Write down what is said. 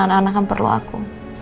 karena anak anak kan perlu aku